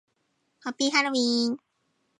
ハッピーハロウィン